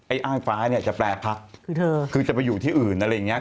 อ้างฟ้าเนี่ยจะแปลพักคือเธอคือจะไปอยู่ที่อื่นอะไรอย่างเงี้